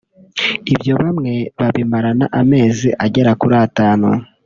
ibyo bamwe babimarana amezi agera kuri atanu